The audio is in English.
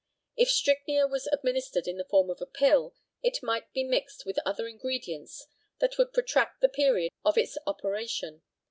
If strychnia was administered in the form of a pill, it might be mixed with other ingredients that would protract the period of its operation.